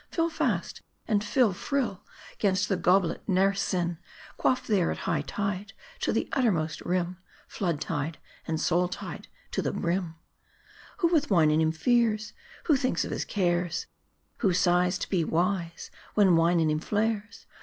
Fill fast, and fill full; 'gainst the goblet ne'er sin; Quaff there, at high tide, to the uttermost rim : Flood tide, and soul tide to the brim ! Who with wine in him fears ? who thinks of his cares ? Who sighs to be wise, when wine in him flares